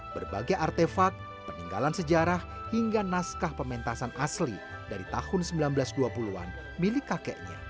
berbagai artefak peninggalan sejarah hingga naskah pementasan asli dari tahun seribu sembilan ratus dua puluh an milik kakeknya